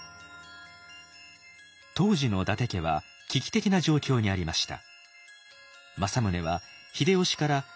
当時の伊達家は危機的な状況にありました。